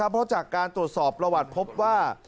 เพราะจากการตรวจสอบประวัติพบว่า